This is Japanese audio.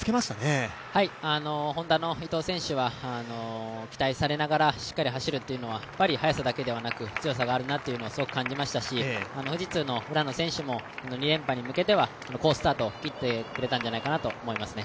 Ｈｏｎｄａの伊藤選手はしっかり走るというのは速さだけではなく強さがあるなというのをすごく感じましたし富士通の浦野選手も２連覇に向けて、好スタートを切ってくれたんじゃないかと思いますね。